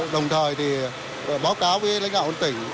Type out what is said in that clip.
đồng thời thì báo cáo với